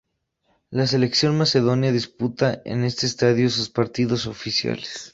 La selección macedonia disputa en este estadio sus partidos oficiales.